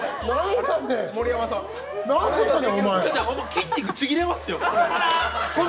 筋肉ちぎれますよ。